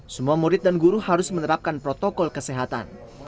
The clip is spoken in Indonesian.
semua murid dan guru harus menerapkan protokol kesehatan